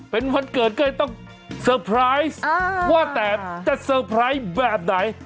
เป็นวันเกิดก็เลยต้องเซอร์ไพรส์ว่าแต่จะเซอร์ไพรส์แบบไหน